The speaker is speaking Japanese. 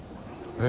え。